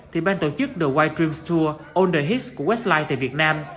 thì bang tổ chức the white dreams tour all the hits của westlife tại việt nam